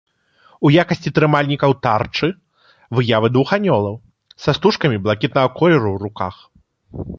У якасці трымальнікаў тарчы выявы двух анёлаў са стужкамі блакітнага колеру ў руках.